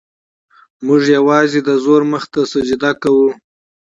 موږ یوازې د زور مخې ته سجده کوو.